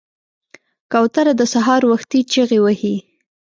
کوتره د سهار وختي چغې وهي.